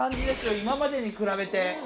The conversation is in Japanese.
今までに比べて。